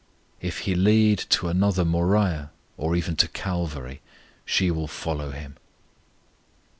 If He lead to another Moriah, or even to a Calvary, she will follow Him.